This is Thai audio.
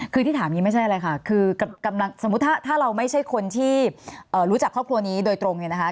คือที่ถามอย่างนี้ไม่ใช่อะไรค่ะคือกำลังสมมุติถ้าเราไม่ใช่คนที่รู้จักครอบครัวนี้โดยตรงเนี่ยนะคะ